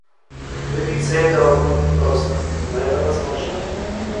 Добиться этого будет непросто, но это возможно.